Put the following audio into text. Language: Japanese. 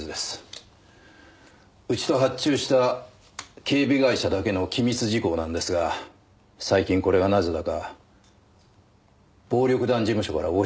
うちと発注した警備会社だけの機密事項なんですが最近これがなぜだか暴力団事務所から押収されてね。